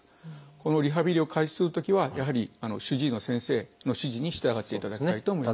このリハビリを開始するときはやはり主治医の先生の指示に従っていただきたいと思います。